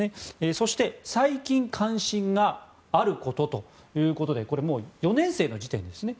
そして最近関心があることということでこれもう、４年生の時点ですね。